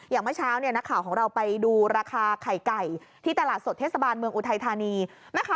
เมื่อเช้าเนี่ยนักข่าวของเราไปดูราคาไข่ไก่ที่ตลาดสดเทศบาลเมืองอุทัยธานี